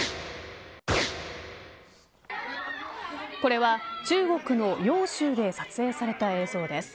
これは中国の揚州で撮影された映像です。